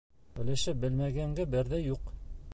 Өләшә белмәгәнгә бер ҙә юҡ.